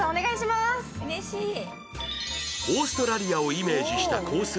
オーストラリアをイメージしたコース